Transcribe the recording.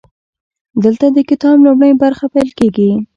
دلته د کتاب لومړۍ برخه پیل کیږي.